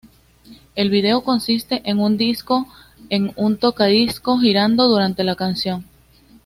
El video consiste en un disco en un Tocadiscos girando durante la canción.